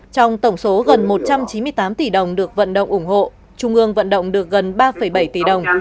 tỉ đồng được vận động ủng hộ trung ương vận động được gần ba bảy tỉ đồng